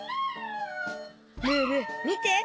ムールみて！